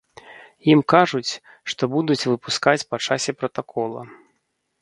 Ім кажуць, што будуць выпускаць на часе пратакола.